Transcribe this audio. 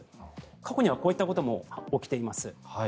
過去にはこういったことも起きています。